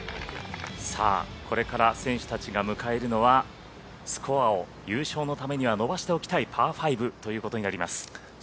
これから選手たちが迎えるのはスコアを優勝のためには伸ばしておきたいパー５ということになります。